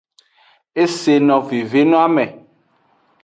E se no veve noame.